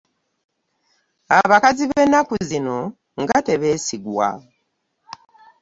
Abakazi b'ennaku zino nga tebesigwa.